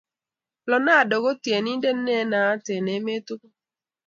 Leonardo kotienindet ne naat en emet tugul